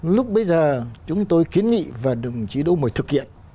lúc bây giờ chúng tôi kiến nghị và chỉ đô mời thực hiện